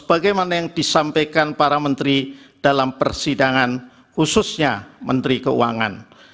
sebagaimana yang disampaikan para menteri dalam persidangan khususnya menteri keuangan